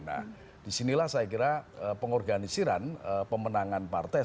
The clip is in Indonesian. nah disinilah saya kira pengorganisiran pemenangan partai